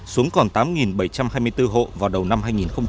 xuống còn tám bảy trăm hai mươi bốn hộ vào đầu năm hai nghìn một mươi bảy